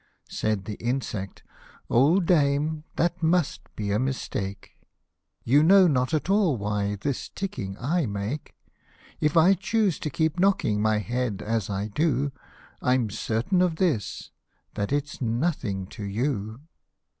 Said the insect, " Old Dame, that must be a mistake : You know not at all why this ticking I make ; If I choose to keep knocking my head as I do, I am certain of this, that it's nothing to you."